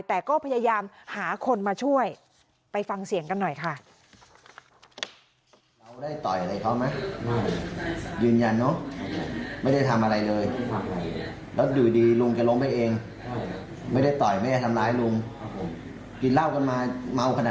แต่ก็พยายามหาคนมาช่วยไปฟังเสียงกันหน่อยค่ะ